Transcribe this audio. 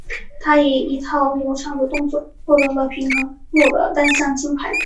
她以一套流畅的动作获得了平衡木的单项金牌。